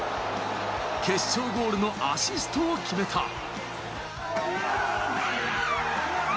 決勝ゴールのアシストを決めた。